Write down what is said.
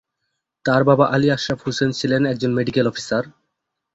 তার বাবা আলি আশরাফ হোসেন ছিলেন একজন মেডিকেল অফিসার।